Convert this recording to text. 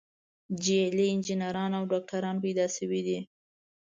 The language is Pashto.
جعلي انجینران او ډاکتران پیدا شوي.